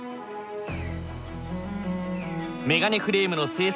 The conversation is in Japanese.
メガネフレームの生産